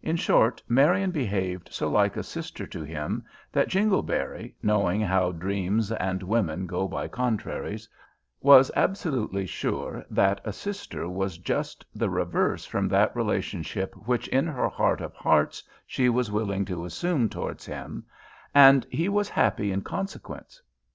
In short, Marian behaved so like a sister to him that Jingleberry, knowing how dreams and women go by contraries, was absolutely sure that a sister was just the reverse from that relationship which in her heart of hearts she was willing to assume towards him, and he was happy in consequence.